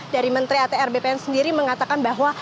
dari menteri atr bpn sendiri mengatakan bahwa